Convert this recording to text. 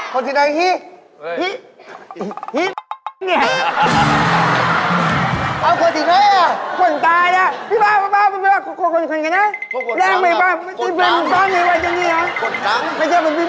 คนที่ไหนพี่